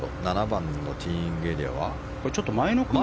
７番のティーイングエリアは。